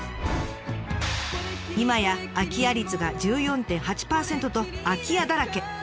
今や空き家率が１４．８％と空き家だらけ！